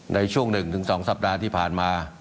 ในช่วง๑๒สัปดาห์ที่ผ่านมา